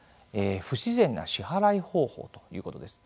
不自然な支払い方法ということです。